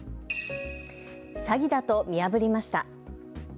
詐欺だと見破りました。